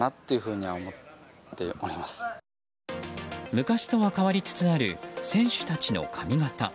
昔とは変わりつつある選手たちの髪形。